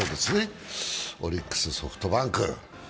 オリックス、ソフトバンク。